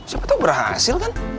siapa tahu berhasil kan